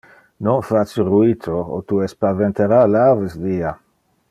Non face ruito o tu espaventara le aves via.